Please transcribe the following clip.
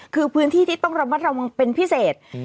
คือพื้นที่ที่ต้องระมัดระวังเป็นพิเศษ